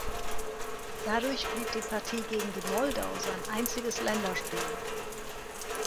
Dadurch blieb die Partie gegen die Moldau sein einziges Länderspiel.